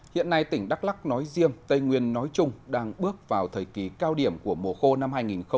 hiện nay tỉnh đắk lắc nói riêng tây nguyên nói chung đang bước vào thời kỳ cao điểm của mùa khô năm hai nghìn hai mươi